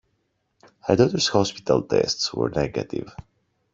Her daughter's hospital tests were negative.